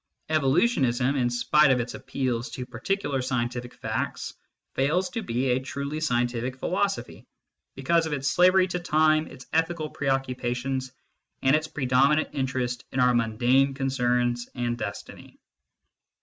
Evolutionism, in spite of its appeals to particular scientific facts, fails to be a truly scientific philosophy because of its slavery to time, its ethical preoccupations, and its predominant interest in our mundane concerns and destiny.